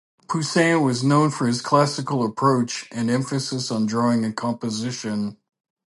Poussin was known for his classical approach and emphasis on drawing and composition.